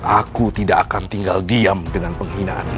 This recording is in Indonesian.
aku tidak akan tinggal diam dengan penghinaan